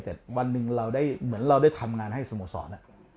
แต่วันหนึ่งเราได้เหมือนเราได้ทำงานให้สโมสร